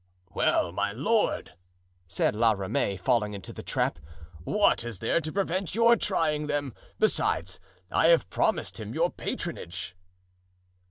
"Well, my lord," said La Ramee, falling into the trap, "what is there to prevent your trying them? Besides, I have promised him your patronage."